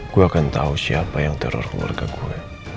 gue akan tahu siapa yang teror keluarga gue